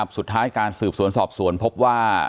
สุดท้ายการสืบสวนสอบสวนพบว่า